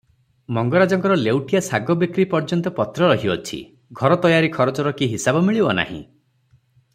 ମଙ୍ଗରାଜଙ୍କର ଲେଉଟିଆ ଶାଗ ବିକ୍ରି ପର୍ଯ୍ୟନ୍ତ ପତ୍ର ରହିଅଛି, ଘର ତୟାରି ଖରଚର କି ହିସାବ ମିଳିବ ନାହିଁ?